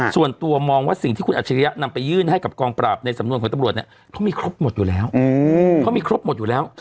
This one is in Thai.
ส่วนตัวมองว่าสิ่งที่คุณอัจฉริยะนำไปยื่นให้กับกองปราบในสำนวนของตำรวจเนี่ยเขามีครบหมดอยู่แล้วเขามีครบหมดอยู่แล้ว